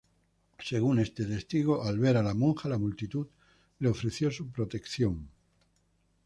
Según este testigo, al ver a la monja, la multitud le ofreció su protección.